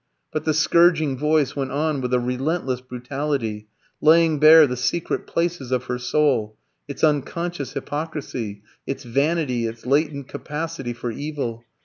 But the scourging voice went on with a relentless brutality, laying bare the secret places of her soul, its unconscious hypocrisy, its vanity, its latent capacity for evil.